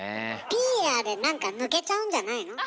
ピーヤで何か抜けちゃうんじゃないの？